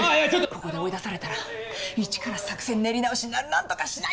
ここで追い出されたら一から作戦練り直しになる何とかしないと。